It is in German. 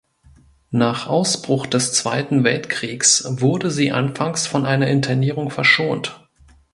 Nach Ausbruch des Zweiten Weltkriegs wurde sie anfangs von einer Internierung verschont.